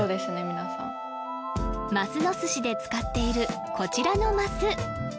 皆さんますのすしで使っているこちらのます